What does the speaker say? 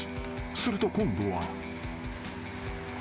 ［すると今度は］